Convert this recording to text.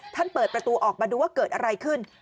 เปิดประตูออกมาดูว่าเกิดอะไรขึ้น